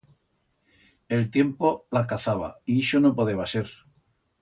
El tiempo l'acazaba y ixo no podeba ser.